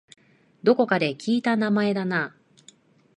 どこかで聞いた名前だな